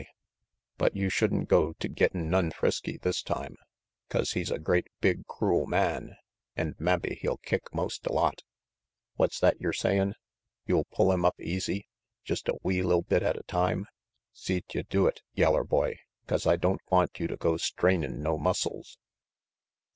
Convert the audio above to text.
RANGY PETE 87 But you should'n go to gettin' none frisky this time, 'cause he's a great big, crool man, an' mabbe he'll kick most a lot. What's that yer sayin'? You'll pull him up easy, jest a wee li'l bit at a time? See't you do it, yeller boy, 'cause I don't want you to go strainin' no muscles."